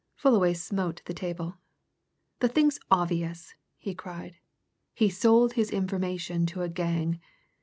Fullaway smote the table. "The thing's obvious!" he cried. "He sold his information to a gang.